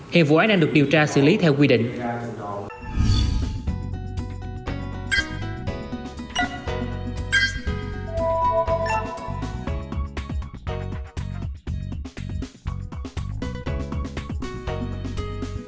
hiện vụ án đang được điều tra xử lý theo quy định